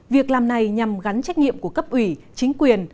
việc làm này nhằm gắn trách nhiệm của cấp ủy chính quyền